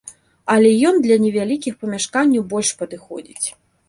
Але ён для невялікіх памяшканняў больш падыходзіць.